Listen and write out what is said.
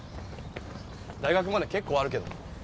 大学まで結構あるけど。